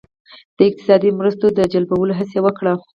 د اقتصادي مرستو د جلبولو هڅه یې وکړه.